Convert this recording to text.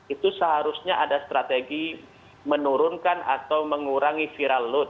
itu seharusnya ada strategi menurunkan atau mengurangi viral load